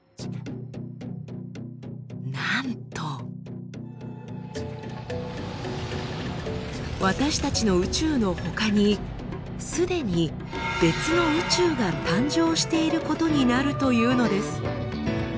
なんと私たちの宇宙のほかにすでに別の宇宙が誕生していることになるというのです。